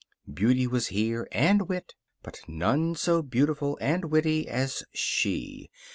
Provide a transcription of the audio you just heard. Beauty was here, and wit. But none so beautiful and witty as She.